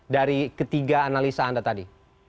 dari ketiga analisa anda tadi